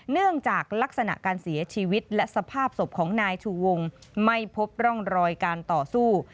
เนื่องจากลักษณะการเสียชีวิตและสภาพศพของนายชูวงไม่พบร่องรอยการต่อสู้